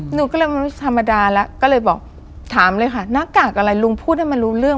หนูก็เลยธรรมดาแล้วก็เลยบอกถามเลยค่ะหน้ากากอะไรลุงพูดให้มันรู้เรื่อง